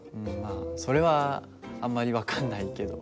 あそれはあんまり分かんないけど。